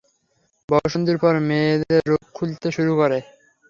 বয়ঃসন্ধির পর মেয়েদের রূপ খুলতে শুরু করে।